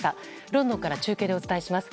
ロンドンから中継でお伝えします。